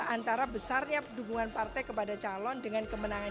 antara besarnya dukungan partai kepada calon dengan kemenangan